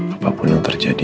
apapun yang terjadi